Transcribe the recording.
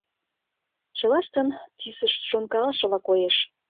Чылаштынат тӱсышт шонкалышыла коеш.